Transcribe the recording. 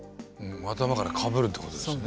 頭からかぶるってことですよね。